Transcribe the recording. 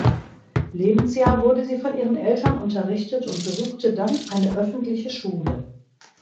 Lebensjahr wurde sie von ihren Eltern unterrichtet und besuchte dann eine öffentliche Schule.